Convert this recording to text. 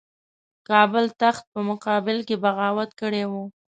کابل تخت په مقابل کې بغاوت کړی وو.